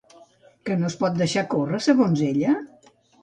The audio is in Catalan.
Què no es pot deixar córrer, segons ella?